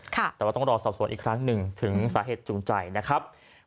แต่ว่าต้องรอสอบสวนอีกครั้งหนึ่งถึงสาเหตุจูงใจนะครับ